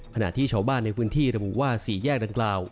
ขณะที่ชาวบ้านในพื้นที่ระบุว่าสี่แยกดังกล่าว